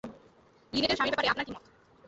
লিনেটের স্বামীর ব্যাপারে আপনার কী মত?